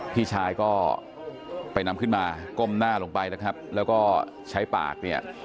พี่ชายก็ไปนำขึ้นมาก้มหน้าลงไปแล้วก็ใช้ปาก